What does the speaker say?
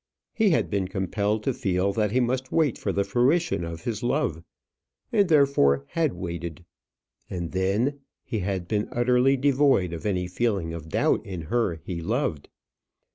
He had been compelled to feel that he must wait for the fruition of his love; and therefore had waited. And then he had been utterly devoid of any feeling of doubt in her he loved.